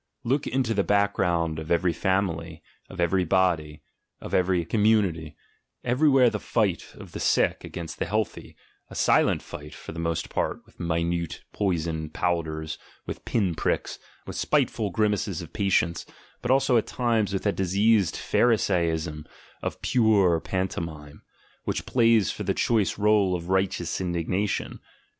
Look into the background of every family, of every body, of every community: everywhere the fight of the sick against the healthy — a silent fight for the most part with minute poisoned powders, with pin pricks, with spiteful grimaces of pa tience, but also at times with that diseased pharisaism of pure pantomime, which plays for the choice role of "righteous indignation."